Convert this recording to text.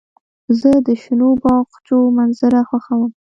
زه د شنو باغچو منظر خوښوم.